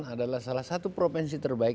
adalah salah satu provinsi terbaik